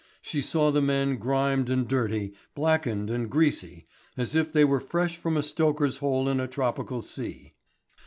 She saw the men grimed and dirty, blackened and greasy, as if they were fresh from a stoker's hole in a tropical sea.